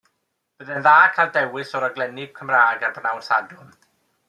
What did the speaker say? Bydde'n dda cael dewis o raglenni Cymraeg ar bnawn Sadwrn.